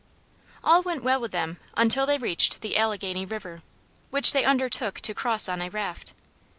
All went well with them until they reached the Alleghany River, which they undertook to cross on a raft.